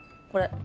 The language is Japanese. これ。